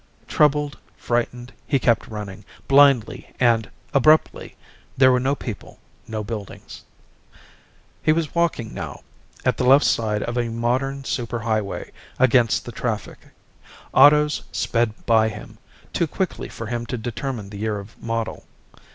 Troubled, frightened, he kept running, blindly, and, abruptly, there were no people, no buildings. He was walking now, at the left side of a modern super highway, against the traffic. Autos sped by him, too quickly for him to determine the year of model.